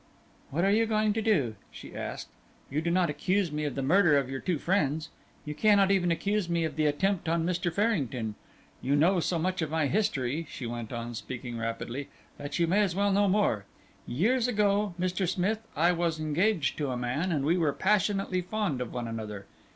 "What are you going to do?" she asked. "You do not accuse me of the murder of your two friends; you cannot even accuse me of the attempt on Mr. Farrington. You know so much of my history," she went on, speaking rapidly, "that you may as well know more. Years ago, Mr. Smith, I was engaged to a man, and we were passionately fond of one another.